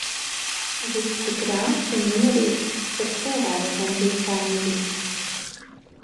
Viss tik rāms un mierīgs, pat cilvēku gandrīz kā nebija.